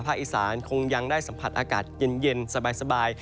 อีสานคงยังได้สัมผัสอากาศเย็นสบาย